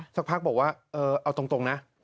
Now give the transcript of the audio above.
สักพักบอกว่าเอาตรงนะ